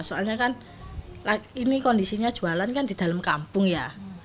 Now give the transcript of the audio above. soalnya kan ini kondisinya jualan kan di dalam kampung ya